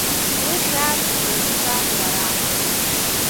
Уи хьаас иҟоумҵан уара!